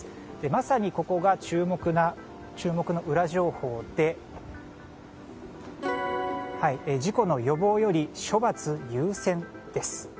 まさにここが注目のウラ情報で事故の予防より処罰優先？です。